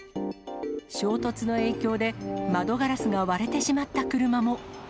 衝突の影響で、窓ガラスが割れてしまった車も。